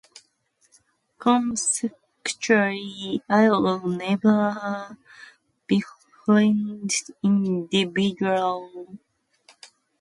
Consequently, I would never befriend individuals who are negative, toxic, or manipulative.